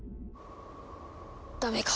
ダメか。